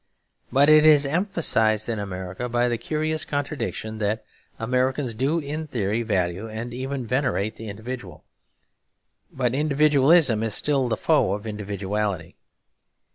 But it is emphasised in America by the curious contradiction that Americans do in theory value and even venerate the individual. But individualism is still the foe of individuality.